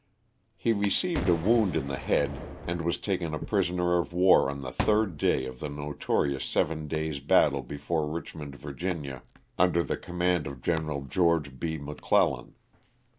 He received a wound in the head and was taken a prisoner of war on the third day of the notorious seven days battle before Richmond, 318 LOSS OF THE SULTAN^A. Va., under the command of Gen. Geo. B. McOlellan.